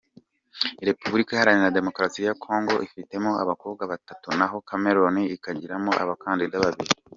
Repubulika Iharanira Demokarasi ya Congo ifitemo abakobwa batatu naho Cameroun ikagiramo abakandida babiri.